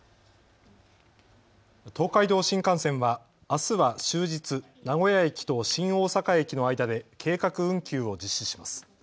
東海道新幹線はあすは終日、名古屋駅と新大阪駅の間で計画運休を実施します。